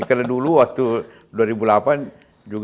karena dulu waktu dua ribu delapan